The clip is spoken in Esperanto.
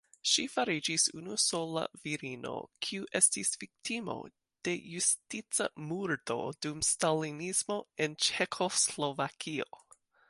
Ŝi fariĝis unusola virino, kiu estis viktimo de justica murdo dum stalinismo en Ĉeĥoslovakio.